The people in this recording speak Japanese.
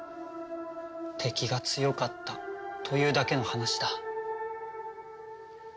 敵が強かったというだけの話だ。